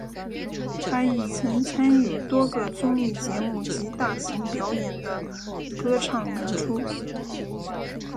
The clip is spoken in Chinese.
他亦曾参与多个综艺节目及大型表演的歌唱演出。